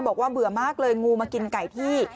บอกว่าเบื่อมากเลยงูมากินไก่พี่